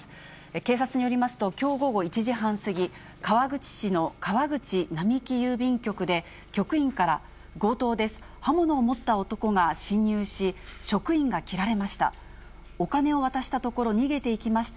警察によりますと、きょう午後１時半過ぎ、川口市の川口並木郵便局で、局員から、強盗です、刃物を持った男が侵入し、職員が切られました。